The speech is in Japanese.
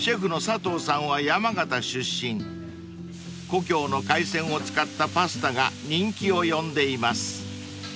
［故郷の海鮮を使ったパスタが人気を呼んでいます］